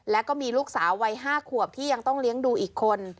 แล้วก็มีลูกสาววัย๕ขวบที่ยังต้องเลี้ยงดูอีกคน